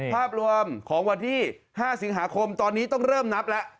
ภาพรวมของวันที่๕สิงหาคมตอนนี้ต้องเริ่มนับแล้ว